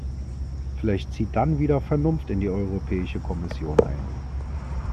Vielleicht zieht dann wieder Vernunft in die Europäische Kommission ein.